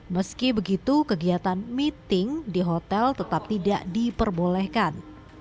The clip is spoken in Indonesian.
meski begitu kegiatan meeting di hotel tetap tidak diperbolehkan